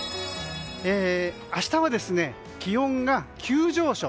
明日は気温が急上昇。